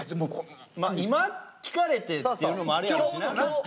今聞かれてっていうのもあるやろうしな。